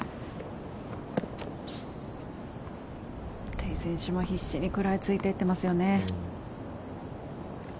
テイ選手も必死に食らいついていってますよね。